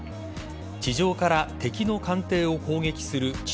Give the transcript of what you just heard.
地上から敵の艦艇を攻撃する地